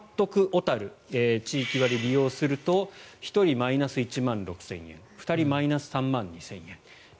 おたる地域割を利用すると１人マイナス１万６０００円２人でマイナス３万２０００円。